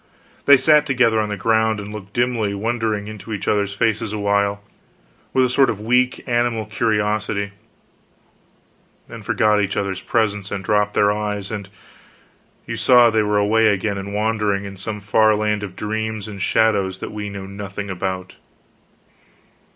They sat together on the ground and looked dimly wondering into each other's faces a while, with a sort of weak animal curiosity; then forgot each other's presence, and dropped their eyes, and you saw that they were away again and wandering in some far land of dreams and shadows that we know nothing about.